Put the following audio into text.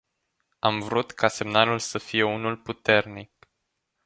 Am vrut ca semnalul să fie unul puternic.